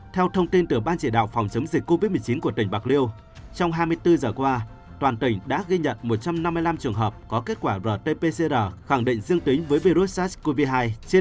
theo thông tin từ ban chỉ đạo phòng chống dịch covid một mươi chín của tỉnh bạc liêu trong hai mươi bốn giờ qua toàn tỉnh đã ghi nhận một trăm năm mươi năm trường hợp có kết quả rt pcr khẳng định dương tính với virus sars cov hai